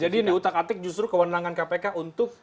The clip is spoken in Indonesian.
jadi di otak atik justru kewenangan kpk untuk